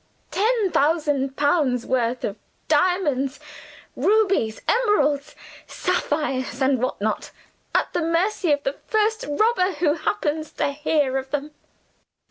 Ten thousand pounds' worth of diamonds, rubies, emeralds, sapphires, and what not at the mercy of the first robber who happens to hear of them.